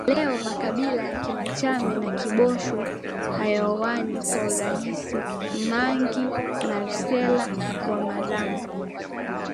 leo makabila ya Kimachame na Kikibosho hayaoani kwa urahisi na Mangi Marealle wa Marangu